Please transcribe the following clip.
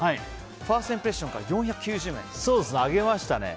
ファーストインプレッションから上げましたね。